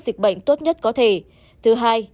dịch bệnh tốt nhất có thể thứ hai